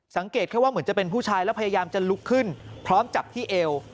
สังเกตแค่ว่าเหมือนจะเป็นผู้ชายแล้วพยายามจะลุกขึ้นพร้อมจับที่เอว